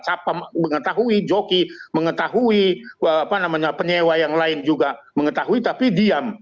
siapa mengetahui joki mengetahui penyewa yang lain juga mengetahui tapi diam